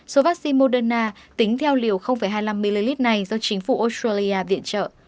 số vaccine moderna tính theo liều hai mươi năm ml này do chính phủ australia viện trợ